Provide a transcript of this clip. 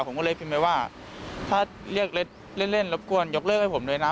ผมก็เลยพิมพ์ไปว่าถ้าเรียกเล่นรบกวนยกเลิกให้ผมด้วยนะ